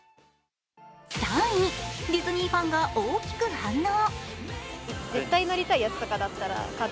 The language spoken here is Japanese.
３位、ディズニーファンが大きく反応。